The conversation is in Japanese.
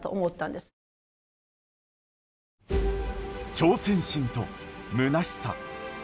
挑戦心とむなしさ。